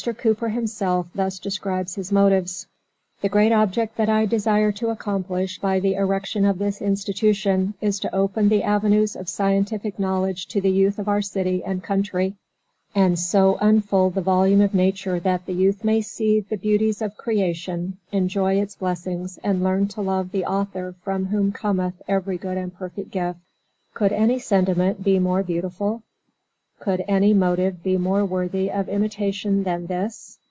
Cooper himself thus describes his motives: "The great object that I desire to accomplish by the erection of this institution is to open the avenues of scientific knowledge to the youth of our city and country, and so unfold the volume of nature that the youth may see the beauties of creation, enjoy its blessings and learn to love the Author from whom cometh every good and perfect gift." Could any sentiment be more beautiful? Could any motive be more worthy of imitation than this?